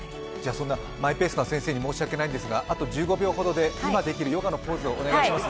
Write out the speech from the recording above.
マイペースな先生に申し訳ないんですがあと１５秒ほどで今できるヨガのポーズをお願いします。